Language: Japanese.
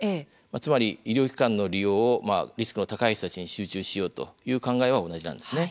つまり医療機関の利用をリスクの高い人たちに集中しようという考えは同じなんです。